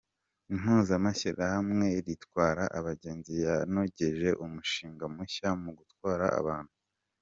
Impuzamashyirahamwe Ritwara Abagenzi yanogeje umushinga mushya mu gutwara abantu